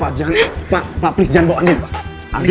pak jangan pak please jangan bawa andi